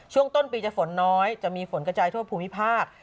ช่วงต้นปีจะฝนน้อยจะมีฝนกระจายทั่วภูมิภาค